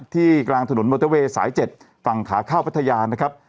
กลางถนนมอเตอร์เวย์สาย๗ฝั่งขาเข้าพัทยานะครับ